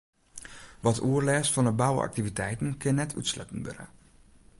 Wat oerlêst fan 'e bouaktiviteiten kin net útsletten wurde.